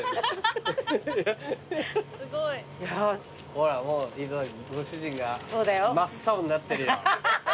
ほらもう井戸田君ご主人が真っ青になってるよ。